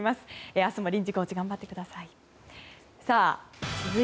明日も臨時コーチ頑張ってください。